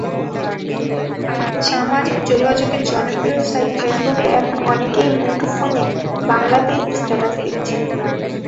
সামাজিক যোগাযোগের জনপ্রিয় সাইট ফেসবুকে এখন অনেকেই মুঠোফোনে বাংলাতেই স্ট্যাটাস দিচ্ছেন।